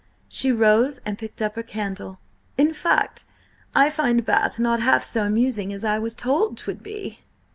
She rose and picked up her candle. "In fact, I find Bath not half so amusing as I was told 'twould be."